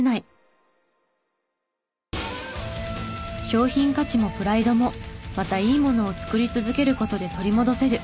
商品価値もプライドもまたいいものを作り続ける事で取り戻せる。